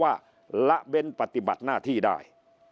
ละเว้นปฏิบัติหน้าที่ได้